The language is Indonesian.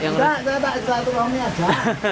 enggak enggak enggak silah turahmi aja